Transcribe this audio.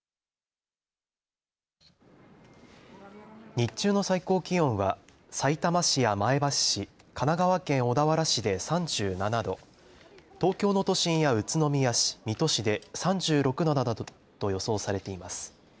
日中の最高気温はさいたま市や前橋市神奈川県小田原市で３７度東京の都心や宇都宮市水戸市で３６度などと予想されています。